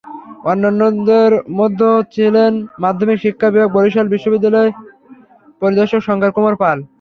অন্যান্যের মধ্যে ছিলেন মাধ্যমিক শিক্ষা বিভাগ বরিশালে বিদ্যালয় পরিদর্শক শংকর কুমার পাল।